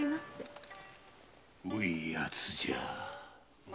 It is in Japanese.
愛いやつじゃ。